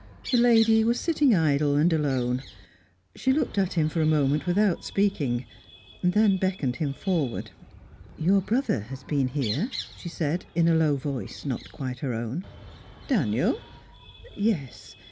The lady was sitting idle and alone; she looked at him for a moment without speaking, then beckoned him forward. "Your brother has been here," she said, in a low voice not quite her own. "Daniel?" "Yes.